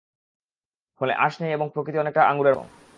ফলে আঁশ নেই এবং এর প্রকৃতি অনেকটা আঙুরের মত।